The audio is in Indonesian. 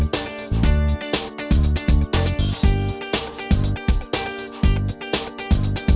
coba sekali lagi sekali lagi